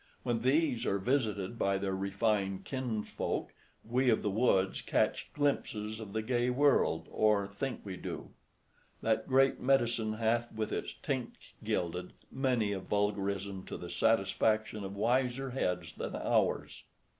When these are visited by their refined kinsfolk, we of the woods catch glimpses of the gay world, or think we do. That great medicine hath With its tinct gilded— many a vulgarism to the satisfaction of wiser heads than ours.